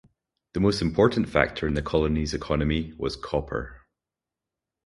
The most important factor in the colony's economy was copper.